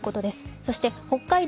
そして北海道